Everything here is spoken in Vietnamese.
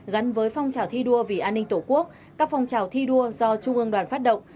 gắn với phong trào thi đua vì an ninh tổ quốc các phong trào thi đua do trung ương đoàn phát động